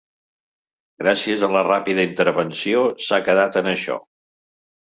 Gràcies a la ràpida intervenció s’ha quedat en això.